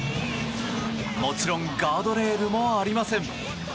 もちろんガードレールもありません。